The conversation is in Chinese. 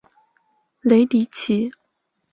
雷迪奇。